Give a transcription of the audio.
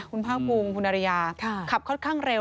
คุณภาคภูมิคุณอริยาขับค่อนข้างเร็ว